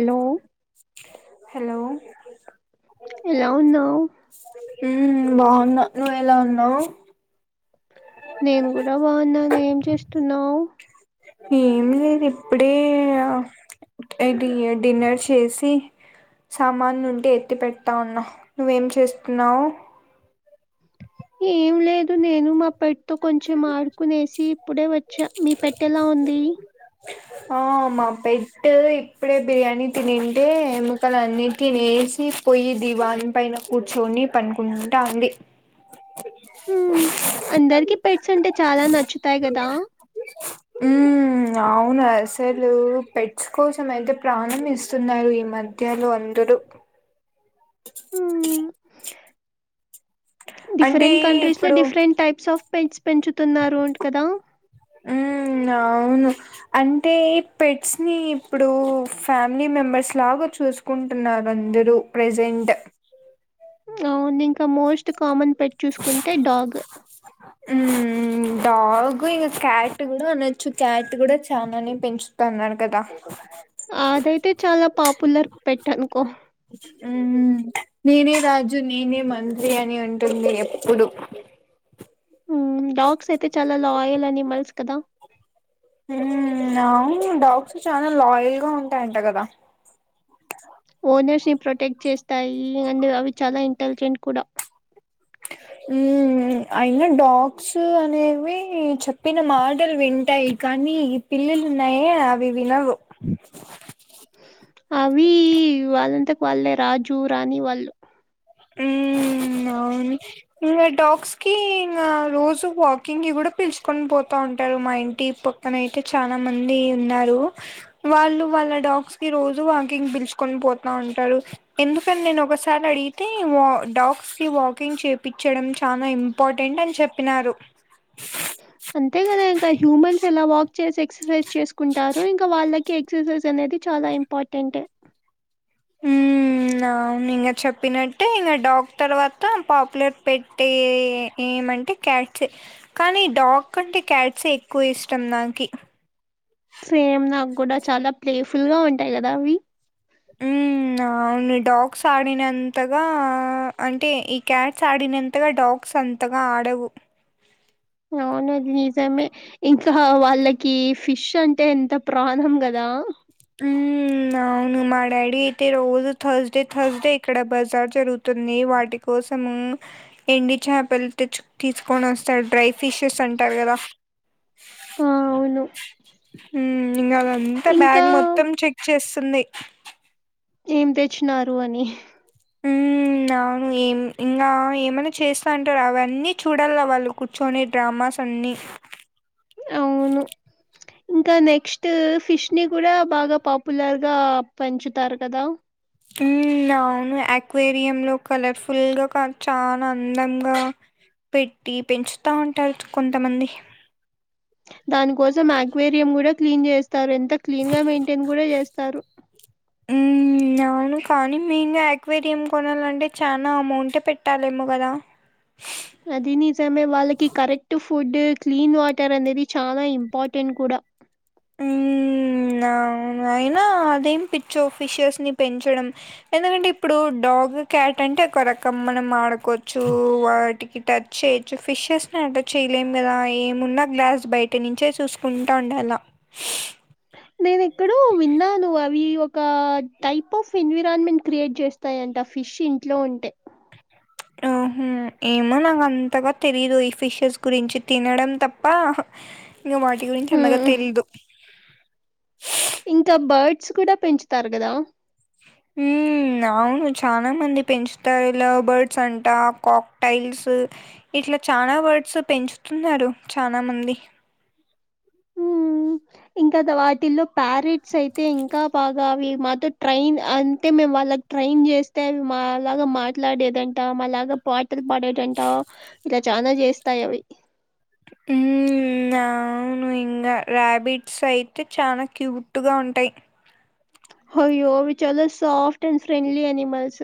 Hello hello ఎలా ఉన్నావ్ హ్మ్ బావున్నా నువ్వు ఎలా ఉన్నావ్ నేను గూడా బావున్నాను ఏం చేస్తున్నావ్ ఏం లేదిప్పుడే ఎయిట్ ఇగ డిన్నర్ చేసి సామాను ఉంటే ఎత్తి పెడతా ఉన్న నువ్వేం చేస్తున్నవ్ ఏం లేదు నేను మా పె తో కొంచెం ఆడుకునేసి ఇప్పుడే వచ్చా మీ పెట్టెలా ఉంది ఆ మా పెట్టు ఇప్పుడే బిర్యానీ తినింటే ఎముకలు అన్నీ తినేసి పోయి దీవాణి పైన కూర్చొని పండుకుంట ఉంది ఉమ్మ్ అందరికి పెట్స్ అంటే చాలా నచ్చుతాయి కదా ఉమ్మ్ అవును అసలు పెట్స్ కోసం అయితే ప్రాణం ఇస్తున్నారు ఈ మ ధ్యలో అందరూ మ్మ్. అంటే డిఫరెంట్ కంట్రీస్‌లో ఇప్పుడు డిఫరెంట్ టైప్స్ ఆఫ్ పెంట్స్ పెంచుతున్నారు అంట కదా ఉమ్మ్ అవును అంటే పెట్స్‌ని ఇప్పుడు ఫ్యామిలీ మెంబర్స్ లాగా చూసు కుంటున్నారు అందరూ ప్రజెంట్ అవును ఇంకా మోస్ట్ కామన్ పెట్ చూసుకుంటే డాగ్ ఉమ్మ్ డాగు ఇంగ క్యాట్ కూడా అనొచ్చు క్యాట్ కూడా చానానే పెంచుతున్నారు కదా అదైతే చాలా పాపులర్ పెట్ అనుకో ఉమ్మ్ నేనే రాజు నేనే మంత్రి అని ఉంటుంది ఎప్పుడు ఉమ్మ్ డాగ్స్ అయితే చాలా లాయల్ అనిమల్స్ కదా ఉమ్మ్ అవును డాగ్స్ చాలా లాయల్‌గా ఉంటాయంట కదా ఓనర్స్‌ని ప్రొటెక్ట్ చేస్తాయి అండ్ అవి చాలా ఇంటెలిజెంట్ కూడా ఉమ్మ్ అయినా డాగ్స్ అనేవి చెప్పిన మాటలు వింటాయి కానీ ఈ పిల్లులు ఉన్నాయే అవి వినవు అవి వాళ్ళంతకు వాళ్ళే రాజు రాణి వాళ్ళు ఉమ్ అవును ఇంగ డాగ్స్‌కి ఇంగ రోజు వాకింగ్‌కి కూడా పిలుచుకొని పోతా ఉంటారు మా ఇంటి ప పక్కనయితే చానా మంది ఉన్నారు వాళ్ళు వాళ్ళ డాగ్స్‌కి రోజు వాకింగ్‌కి పిలుచుకొని పోతా ఉంటారు ఎందుకని నేను ఒకసారి అడిగి తే వా డాగ్స్‌కి వాకింగ్ చేపిచడం చానా ఇంపార్టెంట్ అని చెప్పినారు [inaudible] అంతే కదా ఇంకా హ్యూమన్స్ ఎలా వాక్ చేసి ఎక్సర్సైజ్ చేసుకుంటారు ఇంకా వాళ్ళకి ఎక్సర్సైజ్ అనేది చాలా ఇం పార్టెంట్ [inaudible] ఉమ్ అవును ఇంగ చెప్పినట్టే ఇంగ డాగ్ తర్వాత పాపులర్ పెట్ట్ ఏమంటే క్యాట్సే కానీ డాగ్ కంటే క్యాట్సే ఎక్కువ ఇష్టం నాకి సేమ్ నాకు కూడా చాలా ప్లేఫుల్‌గా ఉంటాయి కదా అవి [inaudible] మ్మ్ అవును డాగ్స్ ఆడినంతగా అంటే ఈ క్యాట్స్ ఆడినంతగా డాగ్స్ అం తగా ఆడవు అవును అది నిజమే ఇంకా వాళ్ళకి ఫిష్ అంటే ఎంత ప్రాణం కదా ఉ అవును మా డాడీ అయితే రోజు థర్స్డే థర్స్డే ఇక్కడ బజార్ జరుగుతుంది వాటి కోసము ఎండి చేపలు తెచ్చ తీసుకొని వస్తారు డ్రై ఫిషెస్ అంటారు కదా ఆ! అవును. ఉ ఇంకా అదంతా ఇంకా బ్యాగ్ మొత్తం చెక్ చేస్తుంది ఏం తెచ్చినారు అని [inaudible] నాను ఏం ఇంకా ఏమైనా చేస్తా అంటారు అవన్నీ చూడాలి వాళ్ళు కూర్చొని డ్రామాస్ అన్నీ అవును ఇంకా నెక్స్ట్ ఫిష్ ని కూడా బాగా పాపులర్ గా పెంచుతారు కదా అవును అక్వేరియం లో కలర్ఫుల్ గా కా చాలా అందంగా పెట్టి పెంచుతూ ఉంటారు కొంతమంది దాని కోసం ఆక్వేరియం కూడా క్లీన్ చేస్తారు ఎంత క్లీన్ గా మెయింటైన్ కూడా చేస్తారు హ్మ్. [inaudible] అవును కానీ మీమే యాక్వేరియం కొనాలంటే చాలా అమౌంటే పెట్టాలేమో కదా అది నిజమే వాళ్ళకి కరెక్ట్ ఫుడ్ క్లీన్ వాటర్ అనేది చాలా ఇంపార్టెంట్ కూడా [inaudible] ఆ అవును అయినా అదేం పిచ్చో ఫిషర్స్ ని పెంచడం ఎందుకంటే ఇప్పుడు డాగ్ క్యాట్ అంటే ఒక రకం మనం ఆడుకోవచ్చు వాటికి టచ్ చేయొచ్చు ఫిషెస్ని అట చేయలేము కదా ఏమున్నా గ్లాస్ బయట నుంచే చూసుకుంటా ఉండాల నేను ఇక్కడ విన్నాను అవి ఒక టైప్ ఆఫ్ ఎన్విరాన్మెంట్ క్రియేట్ చేస్తా యంట ఆ ఫిష్ ఇంట్లో ఉంటె ఆహా! [inaudible] ఏమో నాకు అంతగా తెలీదు ఈ ఫిషెస్ గురించి తినడం తప్ప ఉ వాటి గురించి అంతగా హ్మ్. తెలువదు ఇంకా బర్డ్స్ కూడా పెంచుతారు కదా ఉ అవును చాలా మంది పెంచుతారు లవ్ బర్డ్స్ అంట కాక్ టైల్స్ ఇట్లా చాల బర్డ్స్ పెంచుతున్నారు చాలా మంది హ్మ్. ఇంకా వాటిల్లో ప్యారేట్స్ అయితే ఇంకా బాగా అవి మాతో ట్రైన్ అంటే మేము వాళ్ళ ట్రైన్ చేస్తే మాలాగా మాట్లాడేదంట మాలాగా పాటలు పాడేటంట ఇలా చాలా చేస్తాయి అవి ఉ ఆ అవును ఇంకా ర్యాబిట్స్ అయితే చాలా క్యూట్గా ఉంటయి హయ్యో ఇవి చాల సాఫ్ట్ అండ్ ఫ్రెండ్లీ ఎనిమల్స్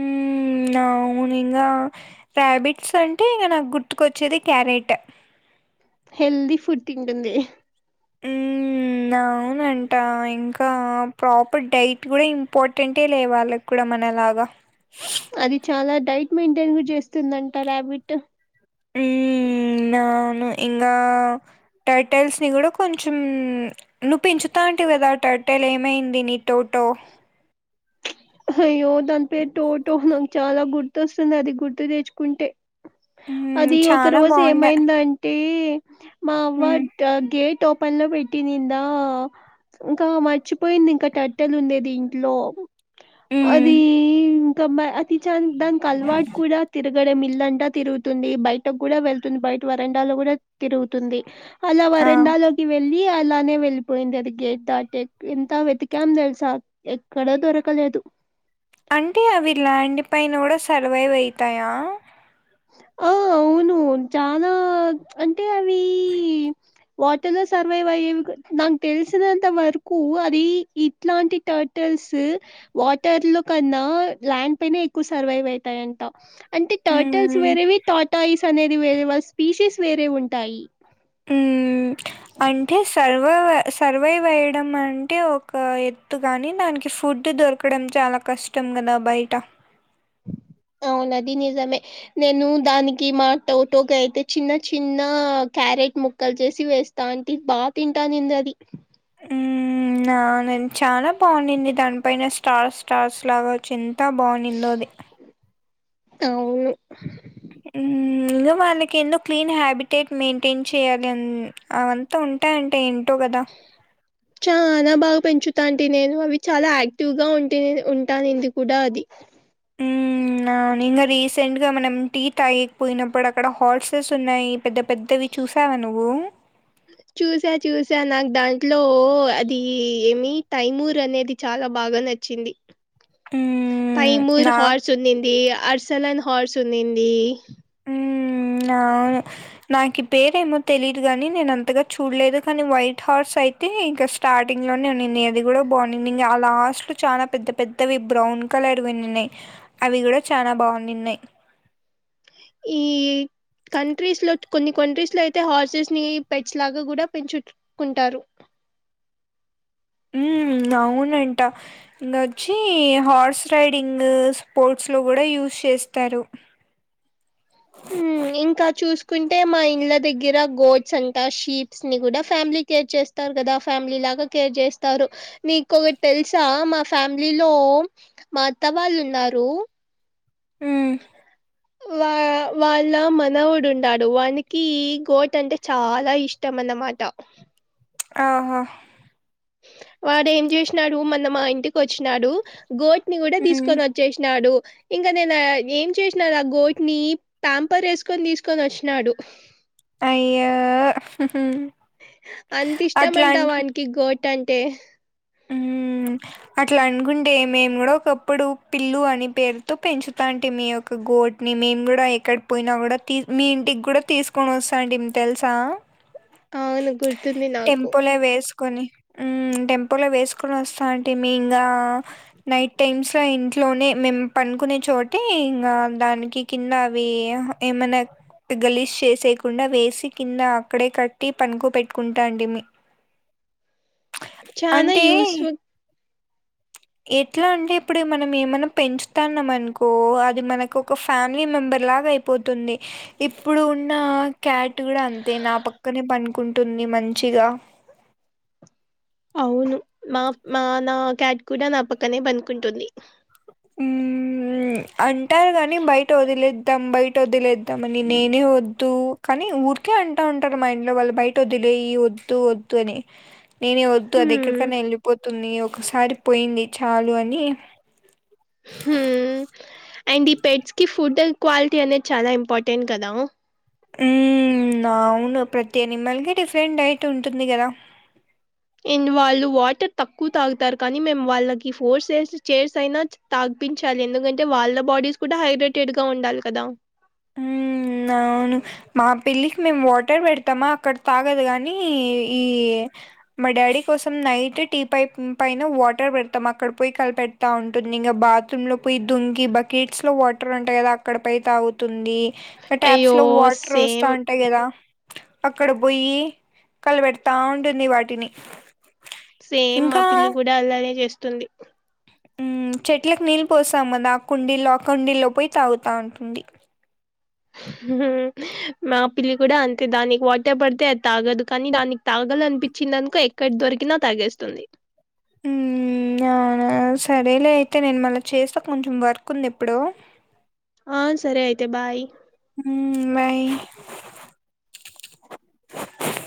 ఉ అవుని ఇగా రాబిట్స్ అంటే ఇగ నాకు గుర్తుకొచ్చేది క్యారెట్ హెల్దీ ఫుడ్ తింటుంది ఉ అవునంట ఇంకా ప్రాపర్ డైట్ కూడా ఇంపార్టెంటే లే వాళ్ళకు కూడ మనలాగా అది చాలా డైట్ మెయింటైన్ చేస్తుంది అంటా రాబిటు ఉ అవును ఇంగ టైటైల్స్ నీ కూడా కొంచెం నువ్వు పెంచుతా అంటవి కదా టర్టాయిల్ ఏమైంది నీ టోటో అయ్యో దాని పేరు టో టో నాకు చాలా గుర్తొస్తుంది. అది గుర్తు తెచ్చుకుంటే హ్మ్. అది ఒక చానా రోజు బావుండే. ఏమైందంటే మా అవ్వ హ్మ్. గేట్ ఓపెన్ లో పెట్టి నింద ఇంకా మర్చిపోయింది. ఇంకా టట్టెలు ఉండేది ఇంట్లో హ్మ్. అది ఇంకా అతి చా దానికి అలవాటు కూడా తిరగడం ఇల్లంతా తిరుగుతుంది. బయటకు కూడా వెళ్తుంది బయట వరండాలో కూడా తిరుగుతుంది. అలా ఆ! వరండాలో కి వెళ్ళి అలానే వెళ్ళిపోయింది. అది గేట్ దాటి ఎంత వెతికాం తెలుసా ఎక్కడా దొరకలేదు అంటే అవి ల్యాండ్ పైన కూడా సర్వైవ్ అయితాయా హొ అవును చానా అంటే అవి వాటర్ లో సర్వైవ్ అయ్యేవి నాకు తెలిసినంత వరకు అది ఇట్లాంటి ట హొటల్స్ వాటర్ లో కన్నా ల్యాండ్ పైనే ఎక్కువ సర్వైవ్ అయితాయంట అంటే టర్టల్స్ హ్మ్. వేరేవి టాటాయిస్ అనేది వేరే వా స్పీసేస్ వేరేవి ఉంటాయి హ్ అంటే సర్వైవ్ సర్వైవ్ అయడం అంటే ఒక ఎత్తు గాని దానికి ఫుడ్ దొరకు అక్కడం చాలా కష్టం కదా బయట అవును ఆది నిజమే నేను దానికి మా టోటోకి అయితే చిన్న చిన్న క్యారెట్ ముక్కలు చేసి వేస్త దాంటి బాగా తింటాందింది అది హ్మ్. నేను ఆ చాలా బాగుండింది. దానిపైన స్టార్ స్టార్స్ లాగా ఎంత బాగుండిందో అది అవును హ్ ఇంగ వాళ్ళకి ఎన్నో క్లీన్ హ్యాబిటేట్ మెయింటైన్ చేయాలి. అవి అంత ఉంటాయంట ఏంటో కదా చ్ చాల బాగా పెంచుతంటి నేను అవి చాలా యాక్టివ్ గా ఉంట ఉంటాయి ఇది కూడా అది హూ ఆ ఇంగా రీసెంట్ గా మనం టీ తాగేకి పోయినప్పుడు అక్కడ హార్సెస్ ఉన్నాయి పెద్ద పెద్దవి చూసావా నువ్వు చూసా చూసా నాకు దాంట్లో అది ఏమి తైమూర్ అనేది చాలా బాగా నచ్చ చ్చింది హ్మ్. తైమూర్ నా హార్స్ ఉన్నింది అర్సలన్ హార్స్ ఉన్నింది ఉ ఆ అవును నాకు పేరేమో తెలీయదు గాని నేను అంతగా చూడలేదు. కానీ వైట్ హార్స్ అయితే అయితే ఇంక స్టార్టింగ్ లోనే ఉండిన్ది. అది కూడా బాగుంది ఇంకా లాస్ట్ లో చాలా పెద్ద పెద్ద ఆవి బ్రౌన్ కలర్ విన్నిన్నాయి అవి కూడా చాలా బాగుందడిన్నాయి ఈ కంట్రీస్ లో కొన్ని కంట్రీస్ లో అయితే హార్సెస్ ని పెడ్స్ లాగా కూడా పెంచుకుంటారు. ఉ అవునంట ఇంకా ఓచ్చి హార్స్ రైడింగ్ స్పోర్ట్స్ లో కూడా యూస్ చేస్తారు. హ్ ఇంకా చూసుకుంటే మా ఇళ్ళ దగ్గర గోడ్స్ అంట షీప్స్ ని కూడా ఫ్యామిలీ కేర్ చేస్త కదా ఫ్యామిలీ లాగా కేర్ చేస్తారు నీకొకటి తెలుసా మా ఫ్యామిలీలో మా అత్త వాళ్ళు ఉన్నారు. హ్ వా వాళ్ళ మనవుడు ఉంటడు వానికి గోట్ అంటే చాలా ఇష్టం అన్నమాట ఆహ వాడు ఏం చేసినాడు మన మా ఇంటికి వచ్చినాడు గోట్ ని కూడా హ్మ్ తీసుకొని వచ్చ చేసినాడు ఇంకా నేను ఏం చేసినా ఆ గోట్ ని ప్యాంపర్ వేసుకొని తీసుకొని వచ్చినాడు అయ్యో అంత ఇష్టమంట అట్లాంటి వానికి గోట్ అంటే మ్మ్ అట్లా అనుకుంటే మేము కూడా ఒకప్పుడు పిల్లు అని పేరుతో పెంచుతాంటమీ ఒక ఒక గోట్ని మేము కూడా ఎక్కడ పోయినా కూడా తీస్ మీ ఇంటికి కూడా తీసుకొని వస్తాంటిమి తెలుసా అవును గుర్తుంది నాకు టెంపోలే వేసుకుని ఊ టెం ప్పుల వేసుకొని వస్తా ఉంటిమి ఇంకా నైట్ టైమ్స్ లో ఇంట్లోనే మేము పనుకునే చోట ఇంకా దానికి కింద అవి అహ ఏమన్నా గలిష్ చేసయకుండా వేసి కింద అక్కడే కట్టి పనుకో పెట్టుకుంటా అండి మీ చానా అంటే యూస్ఫుల్ ఎట్లా అంటే ఇప్పుడు మనం ఏమైన్నా పెంచుతాన్నాం అనుకో అది మనకు ఒక ఫ్యామిలీ మెంబర్ లాగా అయిపో పోతుంది ఇప్పుడు ఉన్న క్యాట్ కూడా అంతే నా పక్కనే పనుకుంటుంది మంచిగా అవును మా మనా క్యాట్ కూడా నా పక్కనే పండుకుంటుంది ఊ అంటారు కానీ బయట వదిలేద్దాం బయట వదిలేద్దాం అని నేనే వద్దు కానీ ఊరికే అంటా ఉంటారు మైండ్ లో వాళ్ళు బయట వద్దులేయి వద్దు వద్దు అని నేనే వద్దు అది హ్మ్ ఎక్కడికైనా వెళ్ళిపోతుంది ఒకసారి పోయింది చాలు అని అండ్ ఈ పెడ్స్ కి ఫుడ్ క్వాలిటీ అనేది చాలా ఇంపార్టెంట్ కదా ఉ అవును ప్రతి అనిమల్కి డిఫరెంట్ అయితే ఉంటుంది కదా అండ్ వాళ్ళు వాటర్ తక్కువ తాగుతారు కానీ మేము వాళ్ళకి ఫోర్ సేల్స్ చైర్స్ అయినా తాగపించాలి ఎందుకంటే వాళ్ళ బాడీస్ కూడా హైడ్రేటెడ్ గా ఉండాలి కదా ఊ అవును మా పిళ్లికి మేము వాటర్ పెడతామా అక్కడ తాగదు గాని ఈ ఈ మా డాడీ కోసం నైట్ టీ పై పైన వాటర్ పెడతాం అక్కడ పోయి కలిపె తా ఉంటుంది ఇంకా బాత్రూమ్ లో పోయి దుంగి బకెట్స్ లో వాటర్ ఉంటాయి కదా అక్కడ పై తాగుతుంది అ టాప్స్ అయ్యో లో వాటర్ సేమ్ వస్తాం ట్టయి కదా అక్కడ పోయి కలపెడతా ఉంటుంది వాటిని సేమ్ మా ఇంకా పిల్లి కూడా అలానే చేస్తుంది ఊ చెట్లలకు నీళ్ళు పోస్తాం మద ఆ కుండీల్లో అ కుండీల్లో పోయి తాగుతా ఉంటుంది మా పిల్లి కూడా అంతే దానికి వాటే పడితే అది తాగదు కానీ దానికి తాగలనిపించిందనుకో ఎక్కడి దొరికినా తాగేస్తుంది ఊ అవునా సరేలే అయితే నేను మళ్ళీ చేస్తా కొంచెం వర్క్ ఉంది ఎప్పుడు ఆ సరే అయితే బాయ్ ఊ బాయ్